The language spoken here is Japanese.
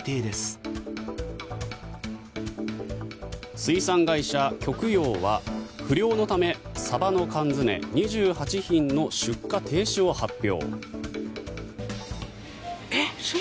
水産会社、極洋は不漁のためサバの缶詰２８品の出荷停止を発表。